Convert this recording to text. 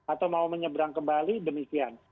atau mau menyeberang kembali demikian